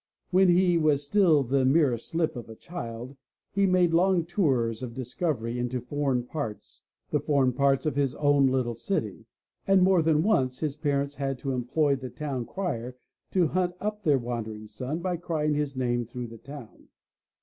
When he was still the merest slip of a child he made long tours of discovery into foreign parts, the foreign parts of his own little city, and more than once his parents had to employ the town crier to hunt up their wandering son by crying his name through the town.